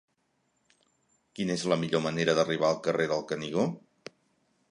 Quina és la millor manera d'arribar al carrer del Canigó?